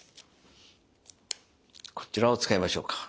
こちらを使いましょうか。